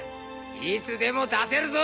いつでも出せるぞ。